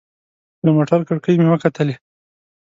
له موټر کړکۍ مې وکتلې.